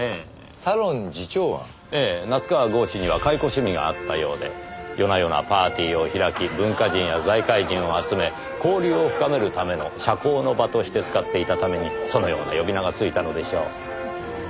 ええ夏河郷士には懐古趣味があったようで夜な夜なパーティーを開き文化人や財界人を集め交流を深めるための社交の場として使っていたためにそのような呼び名がついたのでしょう。